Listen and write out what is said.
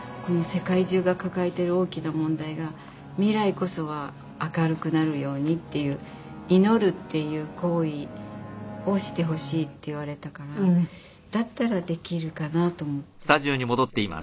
世界中が抱えてる大きな問題が未来こそは明るくなるようにっていう祈るっていう行為をしてほしいって言われたからだったらできるかなと思って。